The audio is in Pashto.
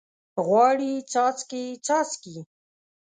غواړي څاڅکي، څاڅکي